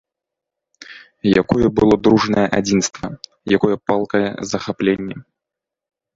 Якое было дружнае адзінства, якое палкае захапленне!